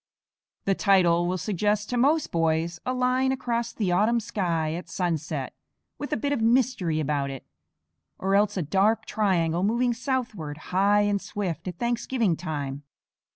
The title will suggest to most boys a line across the autumn sky at sunset, with a bit of mystery about it; or else a dark triangle moving southward, high and swift, at Thanksgiving time.